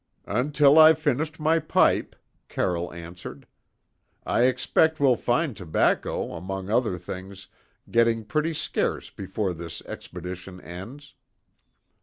"Until I've finished my pipe," Carroll answered. "I expect we'll find tobacco, among other things, getting pretty scarce before this expedition ends."